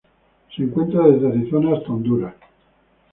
Se encuentra desde Arizona hasta Honduras.